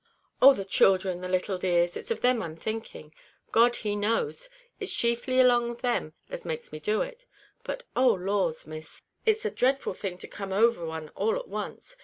"Oh, the childhren, the little dears! it's of them I'm thinking. God he knows, it's chiefly along of them as makes me do it; but oh laws! Miss, it's a dreadful thing to come over one all at once.